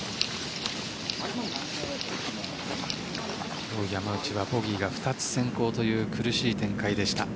今日、山内はボギーが２つ先行という苦しい展開でした。